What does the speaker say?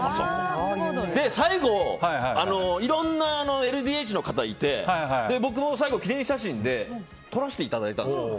最後、いろんなＬＤＨの方がいて僕も最後記念写真で撮らせてもらったんですよ。